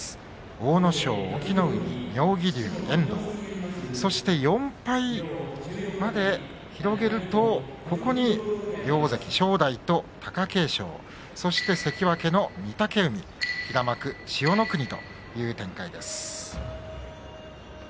阿武咲、隠岐の海妙義龍、遠藤そして４敗まで広げるとここに両大関、正代と貴景勝そして関脇の御嶽海平幕千代の国という展開です。